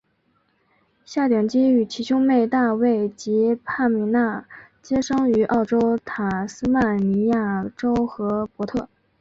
夏鼎基与其兄妹大卫及帕米娜皆生于澳洲塔斯曼尼亚州荷伯特。